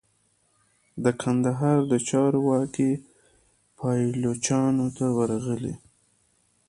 د کندهار د چارو واګي پایلوچانو ته ورغلې.